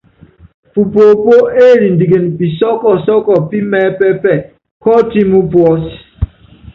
Pupoopó élindiken pisɔ́ɔ́ kɔsɔ́ɔ́kɔ pí mɛɛ́pɛ́pɛ bɔ́ ɔtɛ́m ú puɔ́s.